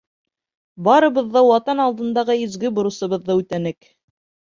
Барыбыҙ ҙа Ватан алдындағы изге бурысыбыҙҙы үтәнек.